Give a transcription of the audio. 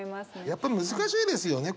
やっぱり難しいですよね